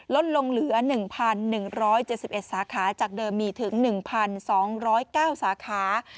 ลดลงเหลือ๑๑๗๑สาขาจากเดิมมีถึง๑๒๐๙สาขา